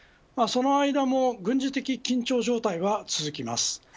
その間も軍事的緊張状態は続きます。